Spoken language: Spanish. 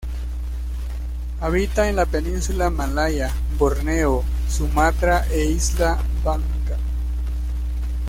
Habita en la península Malaya, Borneo, Sumatra e isla Bangka.